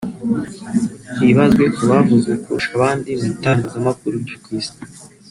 hibanzwe ku bavuzwe kurusha abandi mu itangazamakuru ryo ku isi